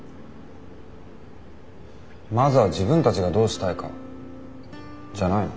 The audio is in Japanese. まずは自分たちがどうしたいかじゃないの？